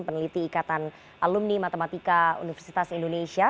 peneliti ikatan alumni matematika universitas indonesia